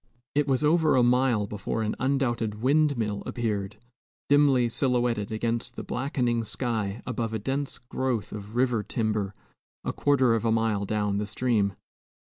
It was over a mile before an undoubted windmill appeared, dimly silhouetted against the blackening sky above a dense growth of river timber a quarter of a mile down the stream.